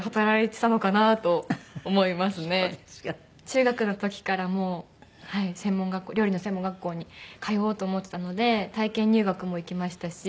中学の時からもう専門学校料理の専門学校に通おうと思ってたので体験入学も行きましたし。